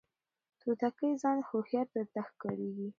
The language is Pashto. توتکیه ځان هوښیار درته ښکاریږي